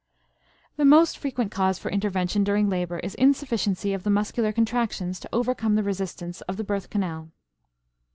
The most frequent cause for intervention during labor is insufficiency of the muscular contractions to overcome the resistance of the birth canal.